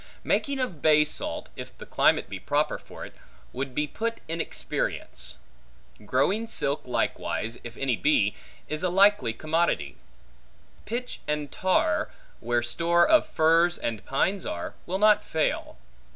Making of bay salt, if the climate be proper for it, would be put in experience. Growing silk likewise, if any be, is a likely commodity. Pitch and tar, where store of firs and pines are, will not fail.